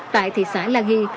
tại thị xã la ghi